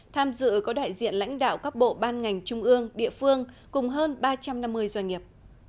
tham dự có đại diện lãnh đạo các bộ ban ngành trung ương địa phương cùng hơn ba trăm năm mươi doanh nghiệp